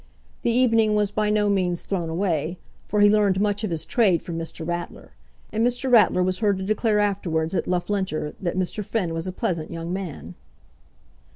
The evening was by no means thrown away, for he learned much of his trade from Mr. Ratler. And Mr. Ratler was heard to declare afterwards at Loughlinter that Mr. Finn was a pleasant young man.